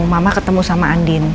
mama ketemu sama andin